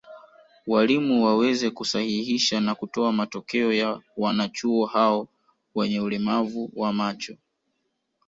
Walimu waweze kusahihisha na kutoa matokeo ya wanachuo hao wenye ulemavu wa macho